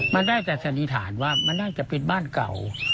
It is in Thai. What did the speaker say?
มันได้แต่สันนิษฐานว่ามันน่าจะเป็นบ้านเก่า